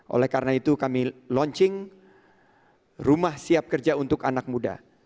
oleh karena itu kami launching rumah siap kerja untuk anak muda